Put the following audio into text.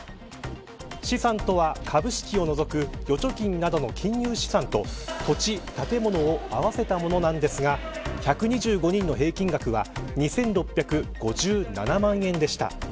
資産とは株式を除く預貯金などの金融資産と土地、建物を合わせたものなんですが１２５人の平均額は２６５７万円でした。